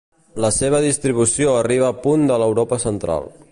La seva distribució arriba a punt de l'Europa Central.